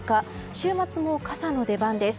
週末も傘の出番です。